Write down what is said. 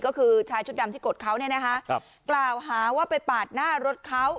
ก็คือชายชุดดำที่กดเขาเนี่ยนะคะกล่าวหาว่าไปปาดหน้ารถเขา